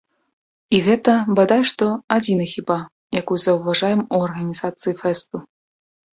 І гэта, бадай што, адзінай хіба, якую заўважаем у арганізацыі фэсту.